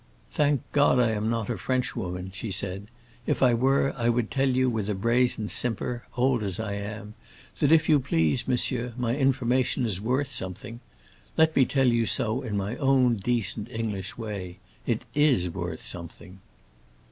"Thank God I am not a Frenchwoman," she said. "If I were, I would tell you with a brazen simper, old as I am, that if you please, monsieur, my information is worth something. Let me tell you so in my own decent English way. It is worth something."